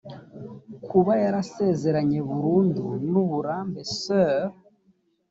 kuba yarasezeranye burundu n uburambe soeurs